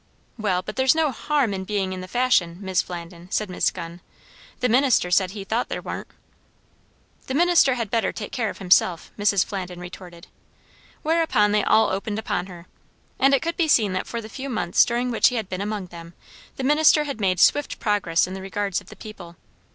"Well, but there's no harm in being in the fashion, Mis' Flandin," said Miss Gunn. "The minister said he thought there warn't." "The minister had better take care of himself," Mrs. Flandin retorted. Whereupon they all opened upon her. And it could be seen that for the few months during which he had been among them, the minister had made swift progress in the regards of the people.